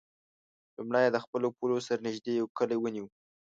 لومړی یې د خپلو پولو سره نژدې یو کلی ونیو.